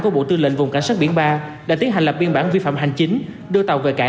của tàu trên vùng cảnh sát biển ba đã tiến hành biên bản vi phạm hành chính đưa tàu về cạn